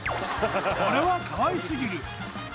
「これはかわいすぎる」